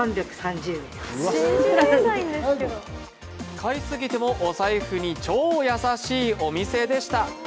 買い過ぎてもお財布に超優しいお店でした。